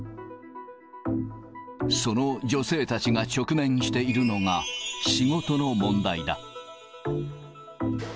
その女性たちが直面しているのが、仕事の問題だ。